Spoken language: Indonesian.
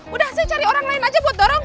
udah saya cari orang lain aja buat dorong